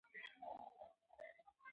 هلک غواړي چې د انا په سترگو کې مینه وویني.